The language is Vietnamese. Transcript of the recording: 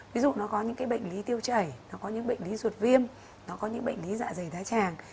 ví dụ nó có những bệnh lý tiêu chảy nó có những bệnh lý ruột viêm nó có những bệnh lý dạ dày thái tràng